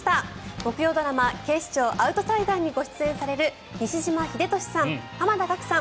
木曜ドラマ「警視庁アウトサイダー」にご出演される西島秀俊さん、濱田岳さん